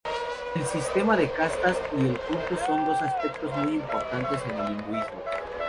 El sistema de castas y el culto son dos aspectos muy importantes del hinduismo.